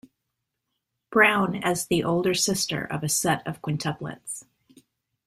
Brown as the older sister of a set of quintuplets.